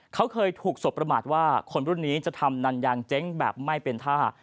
เขาเคยถูกสบประมาทว่าคนรุ่นนี้จะทำนันยางเจ๊งแบบไม่เป็นท่า